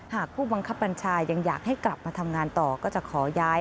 ผู้บังคับบัญชายังอยากให้กลับมาทำงานต่อก็จะขอย้าย